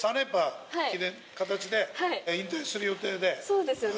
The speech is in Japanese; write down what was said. そうですよね。